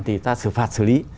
thì ta xử phạt xử lý